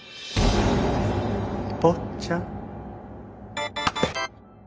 坊っちゃん。